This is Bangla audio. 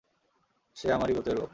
সে আমারই গোত্রের লোক।